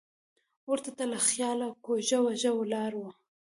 ور ته له خیاله کوږه وږه ولاړه وه.